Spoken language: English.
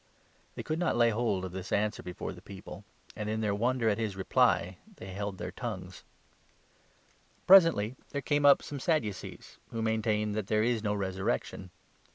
They could not lay hold of this answer before the people ; 26 and, in their wonder at his reply, they held their tongues. A Question Presently there came up some Sadducees, who 27 about the maintain that there is no resurrection.